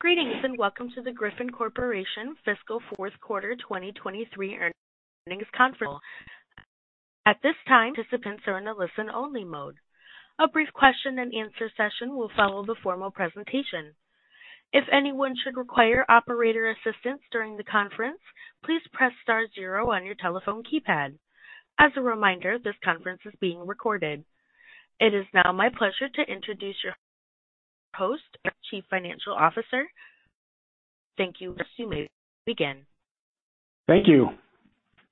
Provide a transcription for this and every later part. Greetings, and welcome to the Griffon Corporation Fiscal Fourth Quarter 2023 Earnings Conference. At this time, participants are in a listen-only mode. A brief question-and-answer session will follow the formal presentation. If anyone should require operator assistance during the conference, please press star zero on your telephone keypad. As a reminder, this conference is being recorded. It is now my pleasure to introduce your host, our Chief Financial Officer. Thank you. You may begin. Thank you.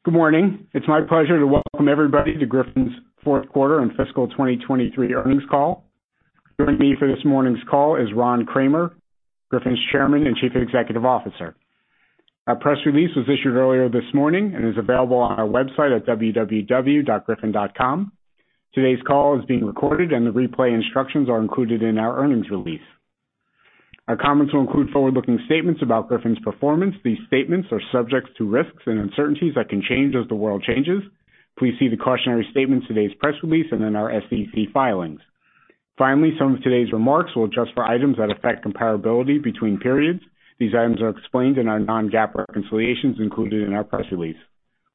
Good morning. It's my pleasure to welcome everybody to Griffon's fourth quarter and fiscal 2023 earnings call. Joining me for this morning's call is Ron Kramer, Griffon's Chairman and Chief Executive Officer. Our press release was issued earlier this morning and is available on our website at www.griffon.com. Today's call is being recorded, and the replay instructions are included in our earnings release. Our comments will include forward-looking statements about Griffon's performance. These statements are subject to risks and uncertainties that can change as the world changes. Please see the cautionary statements in today's press release and in our SEC filings. Finally, some of today's remarks will adjust for items that affect comparability between periods. These items are explained in our non-GAAP reconciliations included in our press release.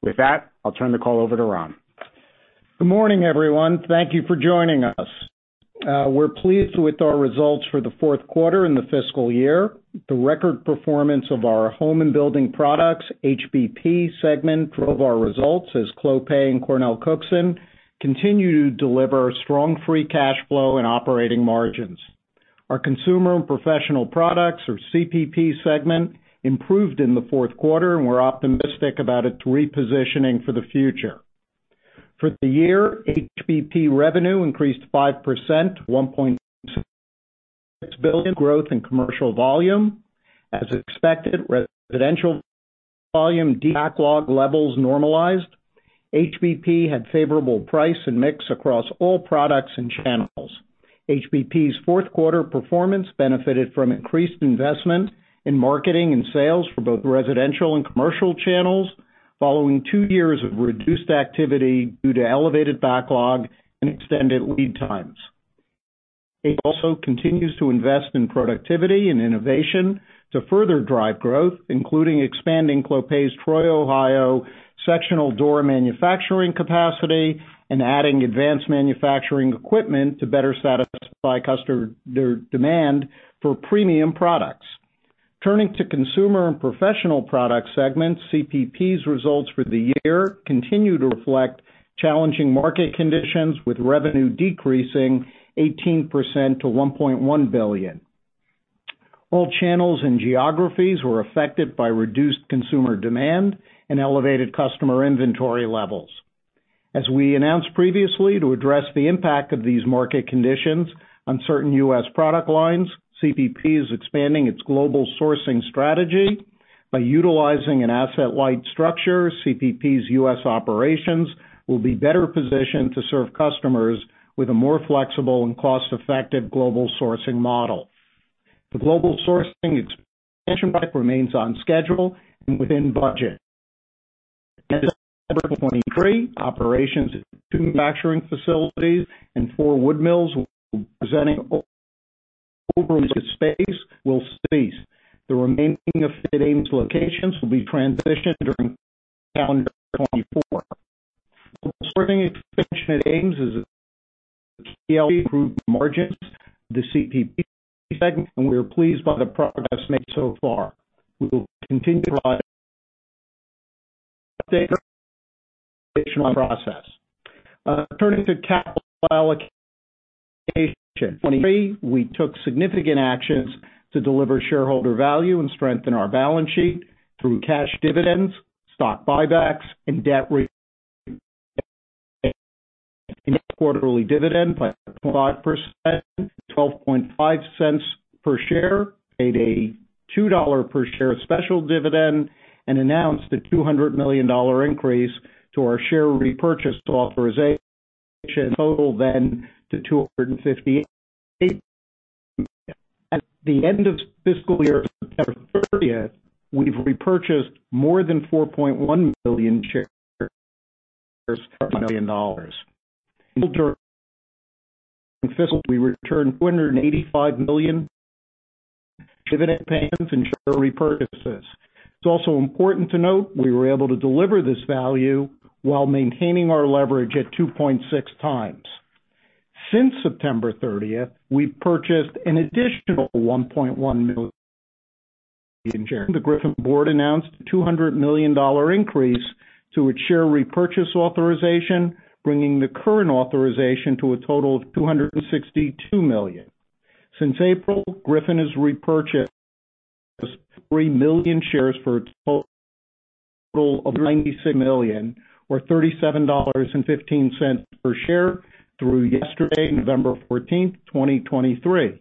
With that, I'll turn the call over to Ron. Good morning, everyone. Thank you for joining us. We're pleased with our results for the fourth quarter and the fiscal year. The record performance of our Home and Building Products, HBP segment, drove our results as Clopay and CornellCookson continue to deliver strong free cash flow and operating margins. Our Consumer and Professional Products, or CPP segment, improved in the fourth quarter, and we're optimistic about its repositioning for the future. For the year, HBP revenue increased 5% to $1.6 billion, growth in commercial volume. As expected, residential volume backlog levels normalized. HBP had favorable price and mix across all products and channels. HBP's fourth-quarter performance benefited from increased investment in marketing and sales for both residential and commercial channels, following two years of reduced activity due to elevated backlog and extended lead times. HBP also continues to invest in productivity and innovation to further drive growth, including expanding Clopay's Troy, Ohio, sectional door manufacturing capacity and adding advanced manufacturing equipment to better satisfy customer demand for premium products. Turning to Consumer and Professional Products segment, CPP's results for the year continue to reflect challenging market conditions, with revenue decreasing 18% to $1.1 billion. All channels and geographies were affected by reduced consumer demand and elevated customer inventory levels. As we announced previously, to address the impact of these market conditions on certain US product lines, CPP is expanding its global sourcing strategy. By utilizing an asset-light structure, CPP's US operations will be better positioned to serve customers with a more flexible and cost-effective global sourcing model. The global sourcing expansion plan remains on schedule and within budget. Operations, two manufacturing facilities, and four wood mills, representing over space will cease. The remaining affected Ames locations will be transitioned during calendar 2024. Global sourcing expansion at Ames has improved margins the CPP segment, and we are pleased by the progress made so far. We will continue to provide... update on process. Turning to capital allocation. 2023, we took significant actions to deliver shareholder value and strengthen our balance sheet through cash dividends, stock buybacks, and debt repayment. Quarterly dividend by 25%, $0.125 per share, paid a $2 per share special dividend, and announced a $200 million increase to our share repurchase authorization, total then to $258 million. At the end of fiscal year, September 30th, we've repurchased more than 4.1 million shares, million dollars. During fiscal, we returned $485 million dividend payments and share repurchases. It's also important to note we were able to deliver this value while maintaining our leverage at 2.6x. Since September 30th, we've purchased an additional 1.1 million shares. The Griffon board announced a $200 million increase to its share repurchase authorization, bringing the current authorization to a total of $262 million. Since April, Griffon has repurchased 3 million shares for a total of $96 million, or $37.15 per share through yesterday, November 14th, 2023.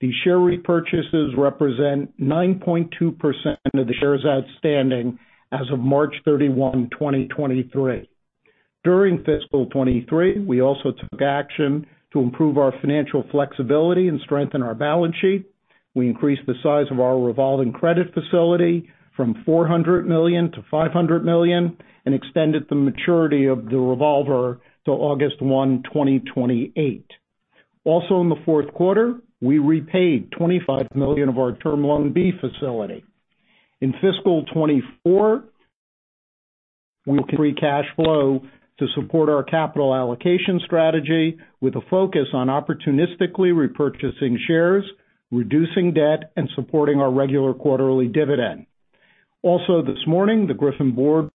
These share repurchases represent 9.2% of the shares outstanding as of March 31st, 2023. During fiscal 2023, we also took action to improve our financial flexibility and strengthen our balance sheet. We increased the size of our revolving credit facility from $400 million-$500 million and extended the maturity of the revolver to August 1st, 2028. Also, in the fourth quarter, we repaid $25 million of our Term Loan B facility. In fiscal 2024 we will free cash flow to support our capital allocation strategy, with a focus on opportunistically repurchasing shares, reducing debt, and supporting our regular quarterly dividend. Also, this morning, the Griffon board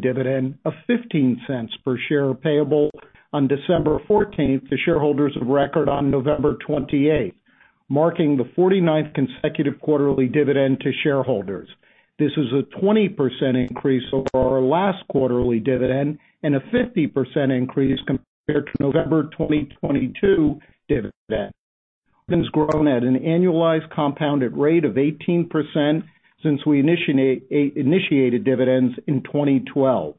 dividend of $0.15 per share, payable on December 14th, to shareholders of record on November 28th, marking the 49th consecutive quarterly dividend to shareholders. This is a 20% increase over our last quarterly dividend and a 50% increase compared to November 2022 dividend. Has grown at an annualized compounded rate of 18% since we initiated dividends in 2012.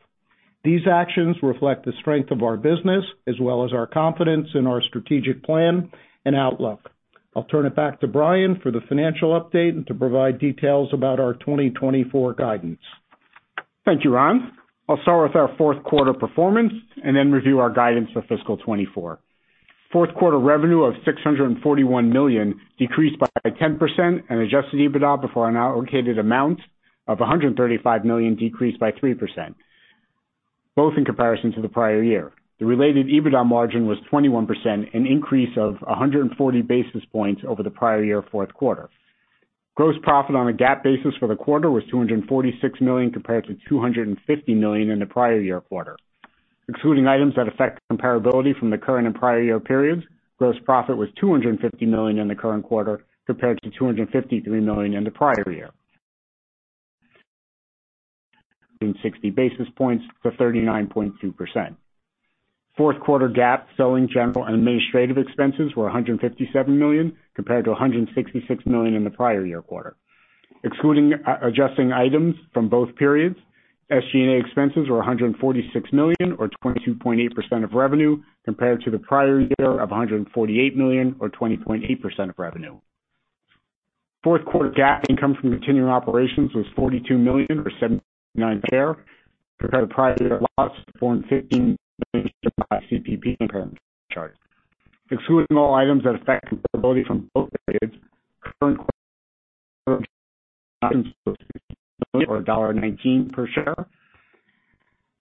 These actions reflect the strength of our business as well as our confidence in our strategic plan and outlook. I'll turn it back to Brian for the financial update and to provide details about our 2024 guidance. Thank you, Ron. I'll start with our fourth quarter performance and then review our guidance for fiscal 2024. Fourth quarter revenue of $641 million decreased by 10%, and Adjusted EBITDA before unallocated amount of $135 million decreased by 3%, both in comparison to the prior year. The related EBITDA margin was 21%, an increase of 140 basis points over the prior year fourth quarter. Gross profit on a GAAP basis for the quarter was $246 million, compared to $250 million in the prior year quarter. Excluding items that affect comparability from the current and prior year periods, gross profit was $250 million in the current quarter, compared to $253 million in the prior year. 60 basis points to 39.2%. Fourth quarter GAAP selling, general, and administrative expenses were $157 million, compared to $166 million in the prior year quarter. Excluding adjusting items from both periods, SG&A expenses were $146 million, or 22.8% of revenue, compared to the prior year of $148 million or 20.8% of revenue. Fourth quarter GAAP income from continuing operations was $42 million, or $0.79 per share, compared to prior year loss of $115 million by CPP charge. Excluding all items that affect comparability from both periods, current quarter or $1.19 per share,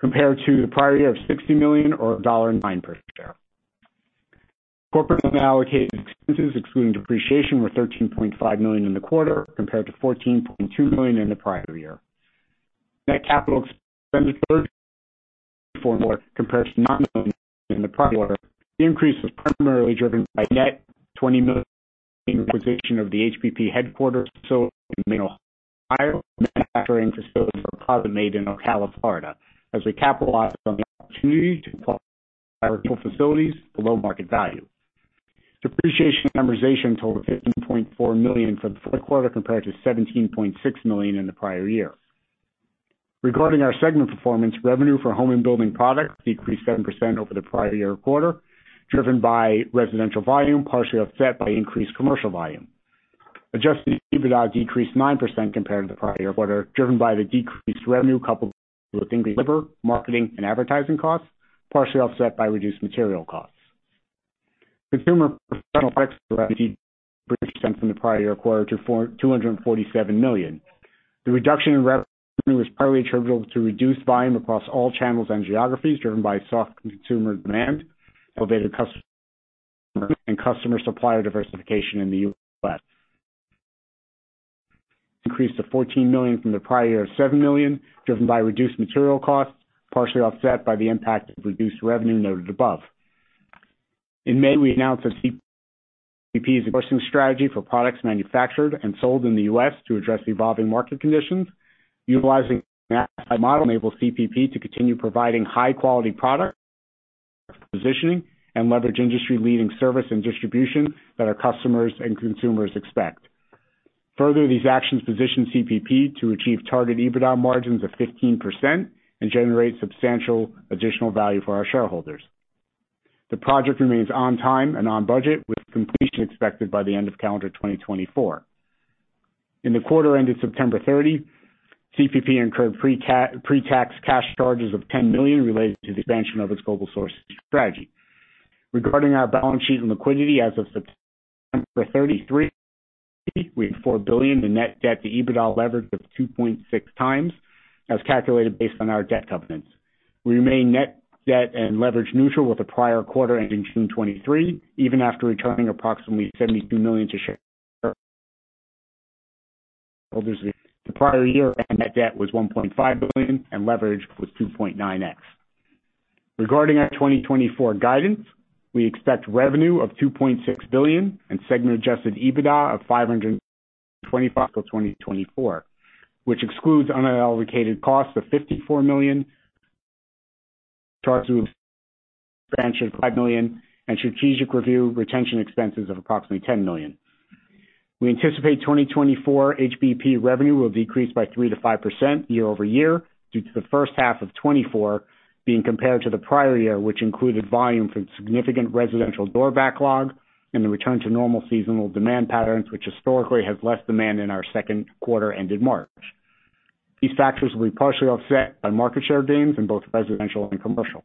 compared to the prior year of $60 million or $1.09 per share. Corporate unallocated expenses, excluding depreciation, were $13.5 million in the quarter, compared to $14.2 million in the prior year. Net capital expenditures compared to $9 million in the prior quarter. The increase was primarily driven by net $20 million acquisition of the HBP headquarters facility in Ohio, manufacturing facility for ClosetMaid in Ocala, Florida, as we capitalized on the opportunity to buy facilities below market value. Depreciation and amortization totaled $15.4 million for the fourth quarter, compared to $17.6 million in the prior year. Regarding our segment performance, revenue for home and building products decreased 7% over the prior year quarter, driven by residential volume, partially offset by increased commercial volume. Adjusted EBITDA decreased 9% compared to the prior quarter, driven by the decreased revenue, coupled with labor, marketing and advertising costs, partially offset by reduced material costs. Consumer and Professional Products revenue from the prior year quarter to $247 million. The reduction in revenue was primarily attributable to reduced volume across all channels and geographies, driven by soft consumer demand, elevated customer and customer supplier diversification in the U.S. Increase to $14 million from the prior year of $7 million, driven by reduced material costs, partially offset by the impact of reduced revenue noted above. In May, we announced that CPP is a strategy for products manufactured and sold in the U.S. to address the evolving market conditions. Utilizing model enables CPP to continue providing high quality products, positioning and leverage industry-leading service and distribution that our customers and consumers expect. Further, these actions position CPP to achieve target EBITDA margins of 15% and generate substantial additional value for our shareholders. The project remains on time and on budget, with completion expected by the end of calendar 2024. In the quarter ended September 30th, CPP incurred pre-tax cash charges of $10 million related to the expansion of its global sourcing strategy. Regarding our balance sheet and liquidity, as of September 30th, 2023, we had $1.4 billion in net debt to EBITDA leverage of 2.6x, as calculated based on our debt covenants. We remain net debt and leverage neutral with the prior quarter, ending June 30th, 2023, even after returning approximately $72 million to shareholders. The prior year-end net debt was $1.5 billion and leverage was 2.9x. Regarding our 2024 guidance, we expect revenue of $2.6 billion and segment Adjusted EBITDA of $525 million-$550 million, which excludes unallocated costs of $54 million, charges of $5 million and strategic review retention expenses of approximately $10 million. We anticipate 2024 HBP revenue will decrease by 3%-5% YoY, due to the first half of 2024 being compared to the prior year, which included volume from significant residential door backlog and the return to normal seasonal demand patterns, which historically have less demand in our second quarter, ended March. These factors will be partially offset by market share gains in both residential and commercial.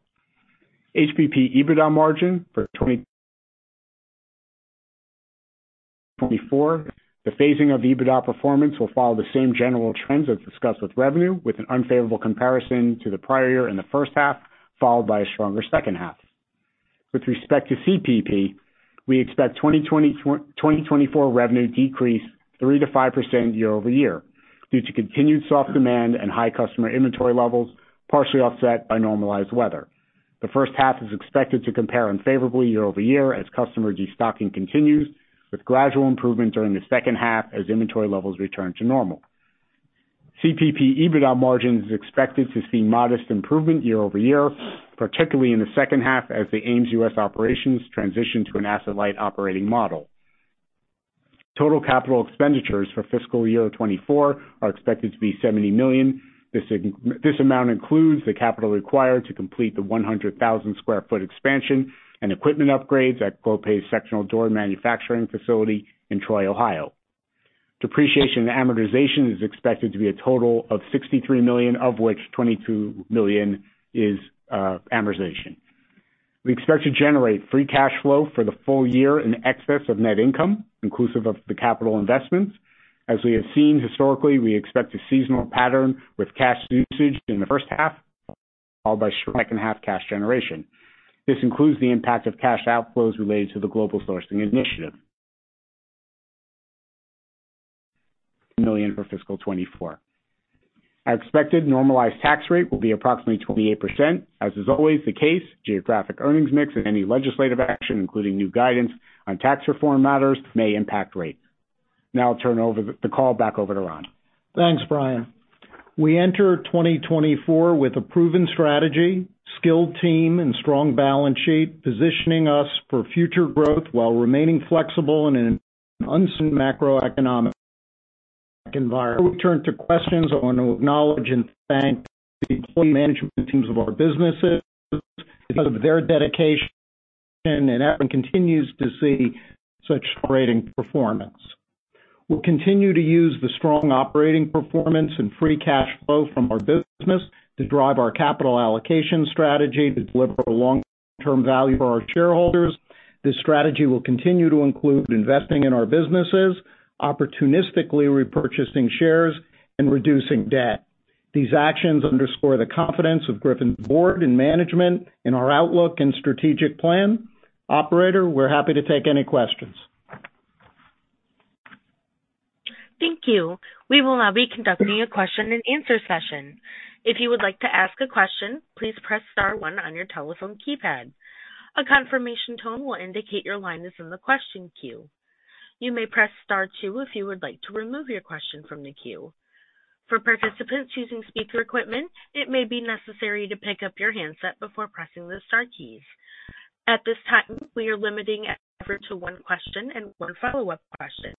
HBP EBITDA margin for 2024, the phasing of the EBITDA performance will follow the same general trends as discussed with revenue, with an unfavorable comparison to the prior year in the first half, followed by a stronger second half. With respect to CPP, we expect 2024 revenue decrease 3%-5% YoY, due to continued soft demand and high customer inventory levels, partially offset by normalized weather. The first half is expected to compare unfavorably YoY as customer destocking continues, with gradual improvement during the second half as inventory levels return to normal. CPP EBITDA margin is expected to see modest improvement YoY, particularly in the second half as the Ames US operations transition to an asset-light operating model. Total capital expenditures for fiscal year 2024 are expected to be $70 million. This amount includes the capital required to complete the 100,000 sq ft expansion and equipment upgrades at Clopay's sectional door manufacturing facility in Troy, Ohio. Depreciation and amortization is expected to be a total of $63 million, of which $22 million is amortization. We expect to generate free cash flow for the full year in excess of net income, inclusive of the capital investments. As we have seen historically, we expect a seasonal pattern with cash usage in the first half, followed by second half cash generation. This includes the impact of cash outflows related to the global sourcing initiative. Million for fiscal 2024. Our expected normalized tax rate will be approximately 28%. As is always the case, geographic earnings mix and any legislative action, including new guidance on tax reform matters, may impact rates. Now I'll turn over the call back over to Ron. Thanks, Brian. We enter 2024 with a proven strategy, skilled team and strong balance sheet, positioning us for future growth while remaining flexible in an uncertain macroeconomic environment. Before we turn to questions, I want to acknowledge and thank the employee management teams of our businesses. Because of their dedication and effort, continues to see such great performance. We'll continue to use the strong operating performance and free cash flow from our business to drive our capital allocation strategy to deliver long-term value for our shareholders. This strategy will continue to include investing in our businesses, opportunistically repurchasing shares, and reducing debt. These actions underscore the confidence of Griffon's board and management in our outlook and strategic plan. Operator, we're happy to take any questions. Thank you. We will now be conducting a question and answer session. If you would like to ask a question, please press star one on your telephone keypad. A confirmation tone will indicate your line is in the question queue. You may press star two if you would like to remove your question from the queue. For participants using speaker equipment, it may be necessary to pick up your handset before pressing the star keys. At this time, we are limiting everyone to one question and one follow-up question.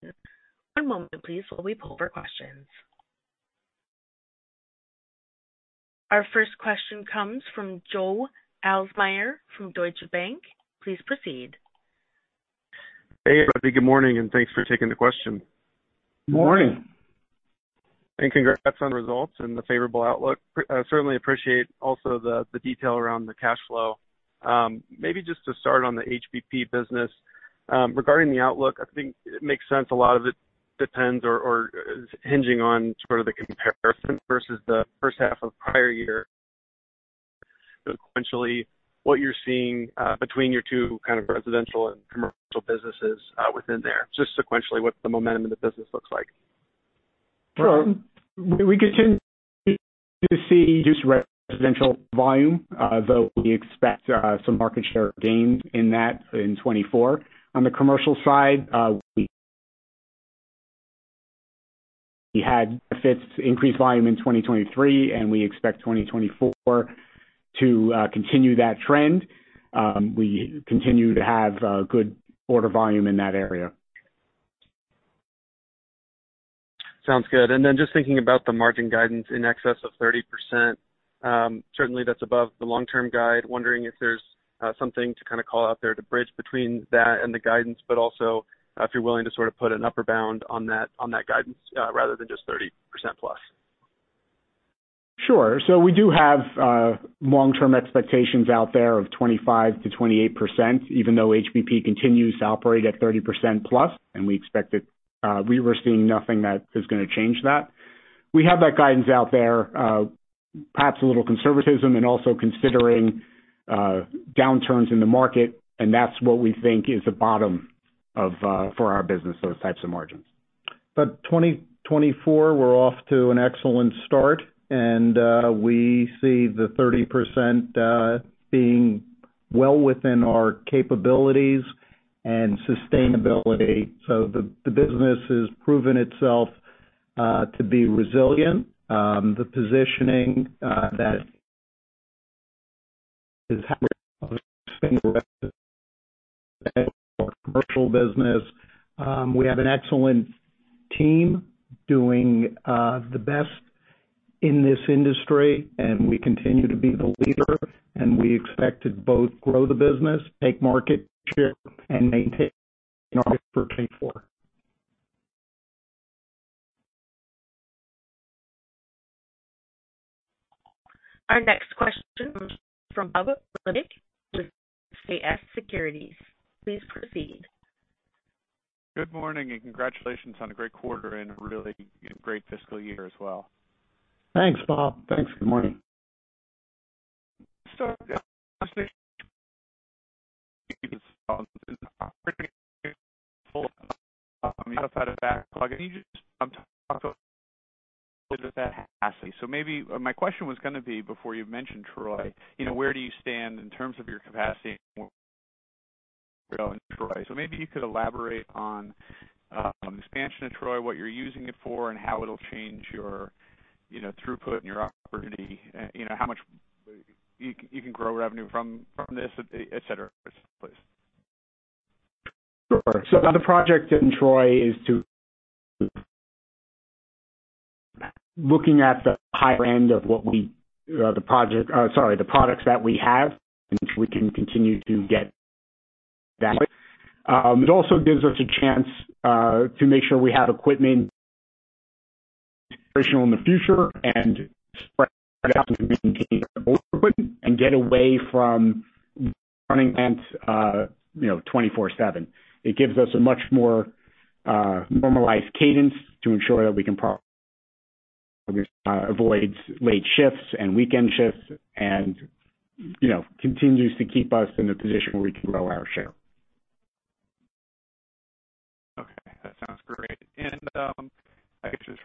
One moment, please, while we pull for questions. Our first question comes from Joe Ahlersmeyer from Deutsche Bank. Please proceed. Hey, everybody. Good morning, and thanks for taking the question. Good morning. Good morning. And congrats on the results and the favorable outlook. I certainly appreciate also the, the detail around the cash flow. Maybe just to start on the HBP business. Regarding the outlook, I think it makes sense a lot of it depends or, or is hinging on sort of the comparison versus the first half of prior year. Sequentially, what you're seeing, between your two kind of residential and commercial businesses, within there, just sequentially, what the momentum in the business looks like? Sure. We continue to see reduced residential volume, though we expect some market share gains in that in 2024. On the commercial side, we had benefits increased volume in 2023, and we expect 2024 to continue that trend. We continue to have good order volume in that area. Sounds good. And then just thinking about the margin guidance in excess of 30%, certainly that's above the long-term guide. Wondering if there's something to kind of call out there to bridge between that and the guidance, but also if you're willing to sort of put an upper bound on that, on that guidance, rather than just 30%+. Sure. So we do have long-term expectations out there of 25%-28%, even though HBP continues to operate at 30%+, and we expect it. We were seeing nothing that is gonna change that. We have that guidance out there, perhaps a little conservatism and also considering downturns in the market, and that's what we think is the bottom of for our business, those types of margins. 2024, we're off to an excellent start, and we see the 30% being well within our capabilities and sustainability. The business has proven itself to be resilient. The positioning that is commercial business. We have an excellent team doing the best in this industry, and we continue to be the leader, and we expect to both grow the business, take market share and maintain our for 2024. Our next question comes from Bob Labick with CJS Securities. Please proceed. Good morning, and congratulations on a great quarter and a really great fiscal year as well. Thanks, Bob. Thanks. Good morning. So maybe my question was gonna be, before you mentioned Troy, you know, where do you stand in terms of your capacity in Troy? So maybe you could elaborate on expansion in Troy, what you're using it for, and how it'll change your, you know, throughput and your opportunity. You know, how much you can grow revenue from this, et cetera, please. Sure. So the project in Troy is to look at the higher end of what we, the products that we have, and which we can continue to get value. It also gives us a chance to make sure we have equipment operational in the future and spread out and maintain our equipment and get away from running plants, you know, 24/7. It gives us a much more normalized cadence to ensure that we can avoid late shifts and weekend shifts and, you know, continues to keep us in a position where we can grow our share. Okay, that sounds great. And I guess just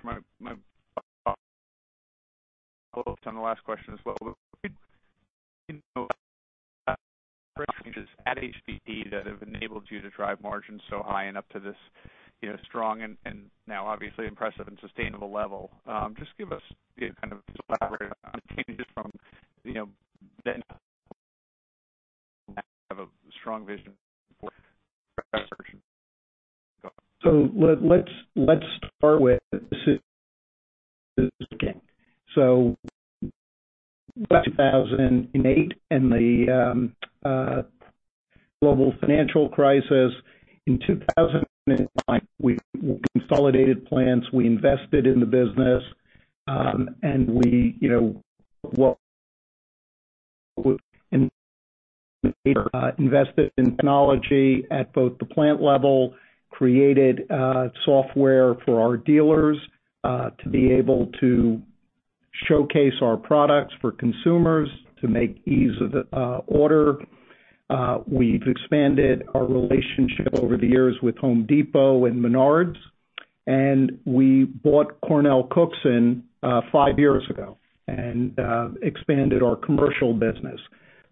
on the last question as well, you know, changes at HBP that have enabled you to drive margins so high and up to this, you know, strong and now obviously impressive and sustainable level. Just give us kind of elaborate on the changes from, you know, then and have a strong vision for that division. So let's start with the king. So back in 2008 and the global financial crisis, in 2009, we consolidated plants, we invested in the business, and we, you know, what, invested in technology at both the plant level, created software for our dealers to be able to showcase our products for consumers to make ease of order. We've expanded our relationship over the years with Home Depot and Menards, and we bought CornellCookson five years ago and expanded our commercial business.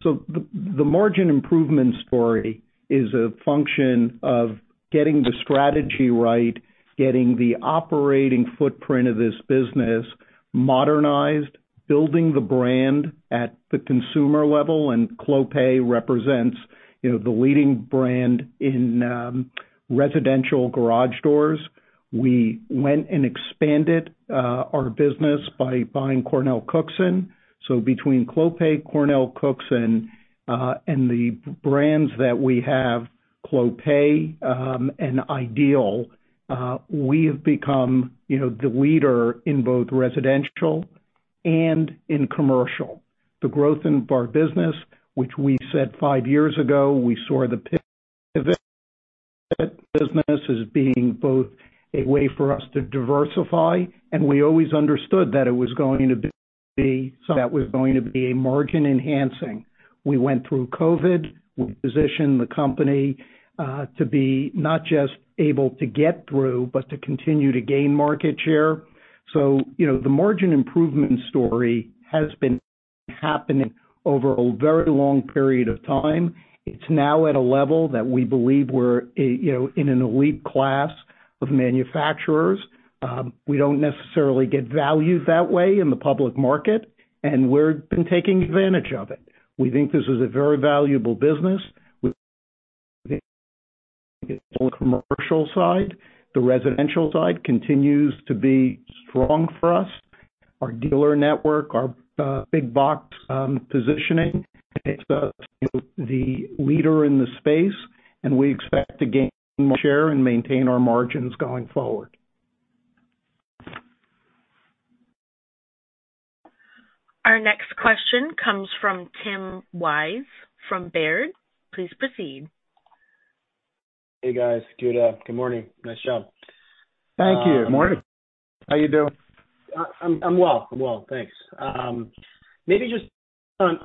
So the margin improvement story is a function of getting the strategy right, getting the operating footprint of this business modernized, building the brand at the consumer level, and Clopay represents, you know, the leading brand in residential garage doors. We went and expanded our business by buying CornellCookson. So between Clopay, CornellCookson, and the brands that we have, Clopay, and Ideal, we have become, you know, the leader in both residential and in commercial. The growth in our business, which we said five years ago, we saw the business as being both a way for us to diversify, and we always understood that it was going to be something that was going to be a margin enhancing. We went through COVID. We positioned the company to be not just able to get through, but to continue to gain market share. So, you know, the margin improvement story has been happening over a very long period of time. It's now at a level that we believe we're a, you know, in an elite class of manufacturers. We don't necessarily get valued that way in the public market, and we've been taking advantage of it. We think this is a very valuable business. We think commercial side, the residential side, continues to be strong for us. Our dealer network, our big box positioning, makes us the leader in the space, and we expect to gain more share and maintain our margins going forward. Our next question comes from Tim Wojs, from Baird. Please proceed. Hey, guys. Good morning. Nice job. Thank you. Morning. How you doing? I'm well, thanks. Maybe just on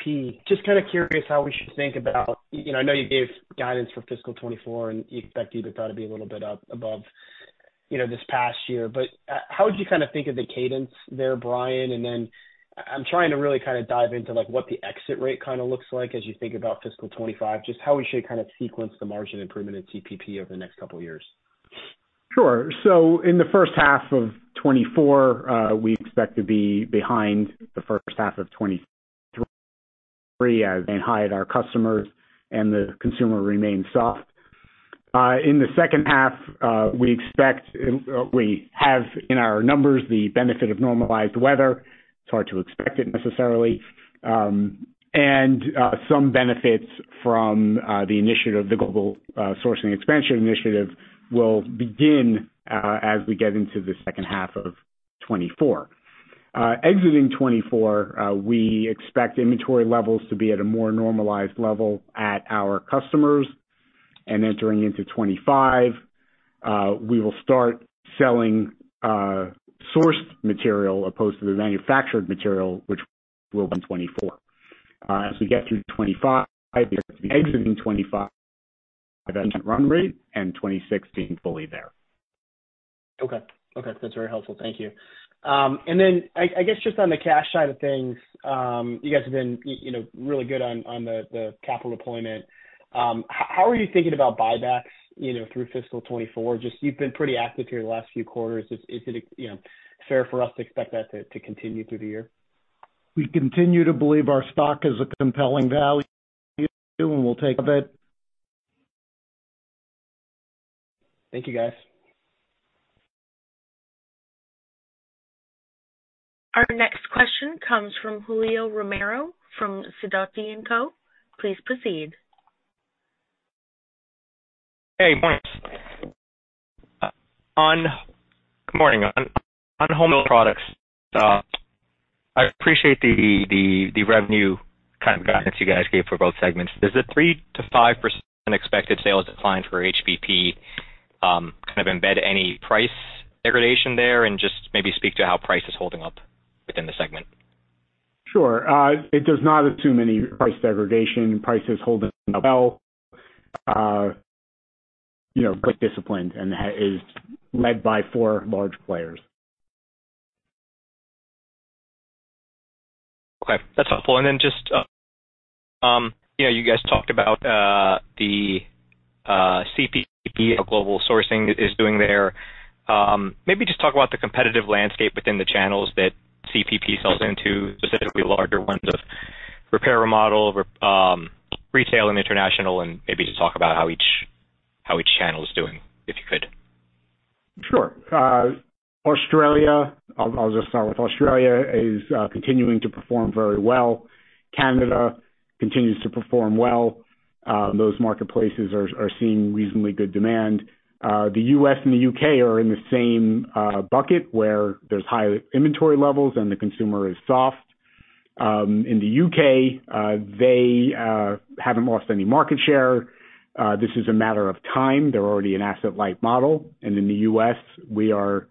CPP, just kind of curious how we should think about, you know, I know you gave guidance for fiscal 2024, and you expect EBITDA to be a little bit up above, you know, this past year. But, how would you kind of think of the cadence there, Brian? And then I'm trying to really kind of dive into, like, what the exit rate kind of looks like as you think about fiscal 2025. Just how we should kind of sequence the margin improvement in CPP over the next couple of years. Sure. So in the first half of 2024, we expect to be behind the first half of 2023 as being high at our customers and the consumer remains soft. In the second half, we expect, we have in our numbers the benefit of normalized weather. It's hard to expect it necessarily. And some benefits from the initiative, the global sourcing expansion initiative will begin as we get into the second half of 2024. Exiting 2024, we expect inventory levels to be at a more normalized level at our customers, and entering into 2025, we will start selling sourced material opposed to the manufactured material, which will be 2024. As we get through 2025, exiting 2025, investment run rate and 2026 being fully there. Okay. Okay, that's very helpful. Thank you. And then, I guess, just on the cash side of things, you guys have been, you know, really good on the capital deployment. How are you thinking about buybacks, you know, through fiscal 2024? Just you've been pretty active here the last few quarters. Is it, you know, fair for us to expect that to continue through the year? We continue to believe our stock is a compelling value, and we'll take of it. Thank you, guys. Our next question comes from Julio Romero from Sidoti & Company. Please proceed. Good morning. On home products, I appreciate the revenue kind of guidance you guys gave for both segments. Does the 3%-5% expected sales decline for HBP kind of embed any price degradation there? And just maybe speak to how price is holding up within the segment. Sure. It does not assume any price degradation. Price is holding up well, you know, pretty disciplined, and that is led by four large players. Okay, that's helpful. And then just, you know, you guys talked about the CPP global sourcing is doing there. Maybe just talk about the competitive landscape within the channels that CPP sells into, specifically larger ones of repair, remodel, retail and international, and maybe just talk about how each channel is doing, if you could. Sure. Australia, I'll just start with Australia, is continuing to perform very well. Canada continues to perform well. Those marketplaces are seeing reasonably good demand. The U.S. and the U.K. are in the same bucket, where there's higher inventory levels and the consumer is soft. In the U.K., they haven't lost any market share. This is a matter of time. They're already an asset-light model. And in the U.S., we are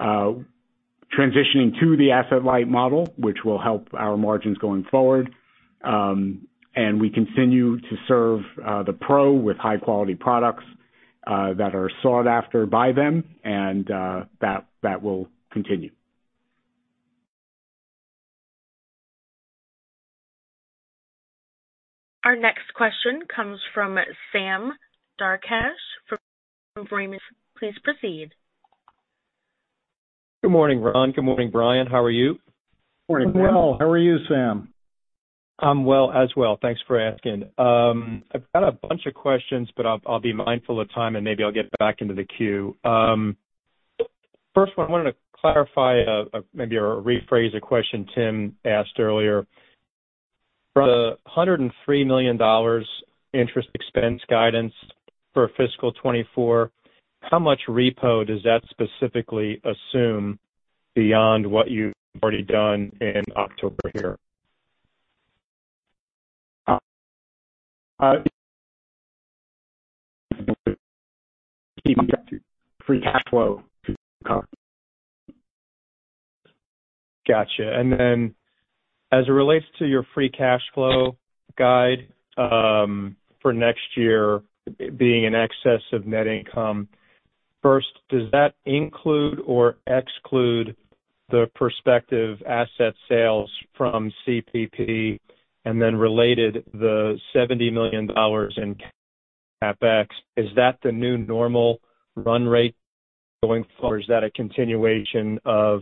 transitioning to the asset-light model, which will help our margins going forward. And we continue to serve the pro with high-quality products that are sought after by them, and that will continue. Our next question comes from Sam Darkatsh from Raymond James. Please proceed. Good morning, Ron. Good morning, Brian. How are you? Morning, well. How are you, Sam? I'm well, as well. Thanks for asking. I've got a bunch of questions, but I'll be mindful of time, and maybe I'll get back into the queue. First one, I wanted to clarify, maybe rephrase a question Tim asked earlier. From the $103 million interest expense guidance for fiscal 2024, how much repo does that specifically assume beyond what you've already done in October here? Free cash flow. Gotcha. And then, as it relates to your free cash flow guide, for next year being in excess of net income, first, does that include or exclude the prospective asset sales from CPP? And then related, the $70 million in CapEx, is that the new normal run rate going forward, or is that a continuation of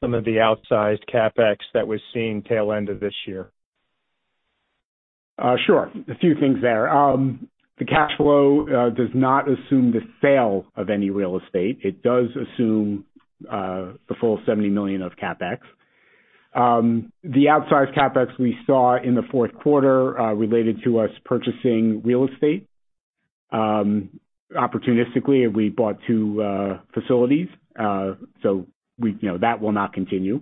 some of the outsized CapEx that we're seeing tail end of this year? Sure. A few things there. The cash flow does not assume the sale of any real estate. It does assume the full $70 million of CapEx. The outsized CapEx we saw in the fourth quarter related to us purchasing real estate. Opportunistically, we bought two facilities, so we, you know, that will not continue.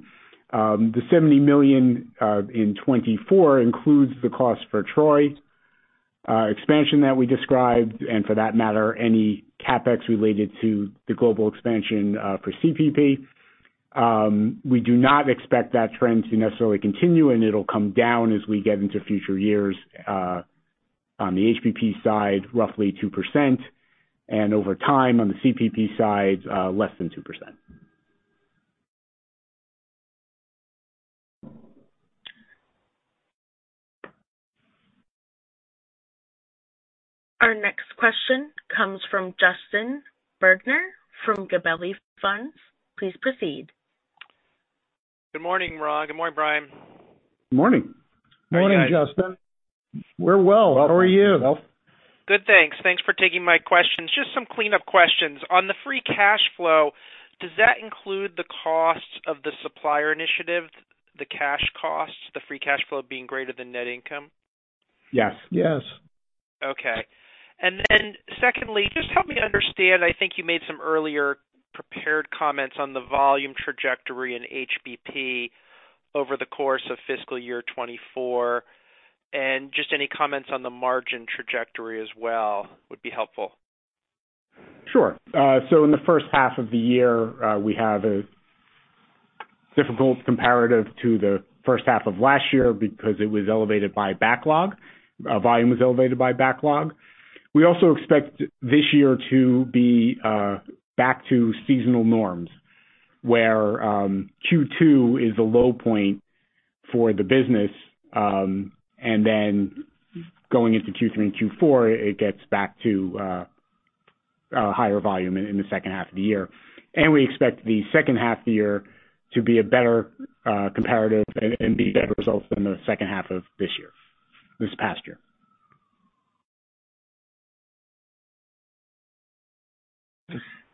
The $70 million in 2024 includes the cost for Troy expansion that we described, and for that matter, any CapEx related to the global expansion for CPP. We do not expect that trend to necessarily continue, and it'll come down as we get into future years on the HBP side, roughly 2%, and over time, on the CPP side less than 2%. Our next question comes from Justin Bergner from Gabelli Funds. Please proceed. Good morning, Ron. Good morning, Brian. Morning. Morning, Justin. We're well. How are you? Good, thanks. Thanks for taking my questions. Just some cleanup questions. On the free cash flow, does that include the costs of the supplier initiative, the cash costs, the free cash flow being greater than net income? Yes. Yes. Okay. And then, secondly, just help me understand, I think you made some earlier prepared comments on the volume trajectory in HBP over the course of fiscal year 2024, and just any comments on the margin trajectory as well would be helpful. Sure. So in the first half of the year, we have a difficult comparative to the first half of last year because it was elevated by backlog. Volume was elevated by backlog. We also expect this year to be back to seasonal norms, where Q2 is a low point for the business, and then going into Q3 and Q4, it gets back to a higher volume in the second half of the year. We expect the second half of the year to be a better comparative and be better results than the second half of this year, this past year.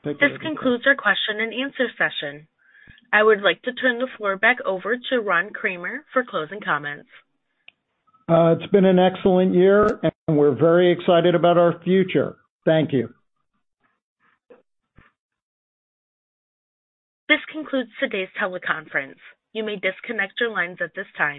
This concludes our question and answer session. I would like to turn the floor back over to Ron Kramer for closing comments. It's been an excellent year, and we're very excited about our future. Thank you. This concludes today's teleconference. You may disconnect your lines at this time.